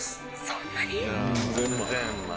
そんなに？